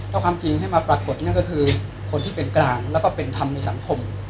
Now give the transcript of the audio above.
ถ้าความจริงให้มาปรากฏนั่นก็คือคนที่เป็นกลางแล้วก็เป็นธรรมในสังคม